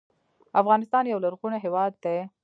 افغانستان یو لرغونی هیواد دی